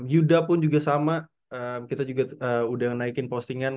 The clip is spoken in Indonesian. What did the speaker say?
yuda pun juga sama kita juga udah naikin postingan